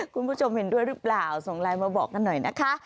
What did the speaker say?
คุณผู้ชมเห็นด้วยหรือเปล่าส่งไลน์มาบอกกันหน่อยนะคะ